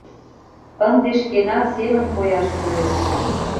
Ынде шкенан семын пояш кӱлеш.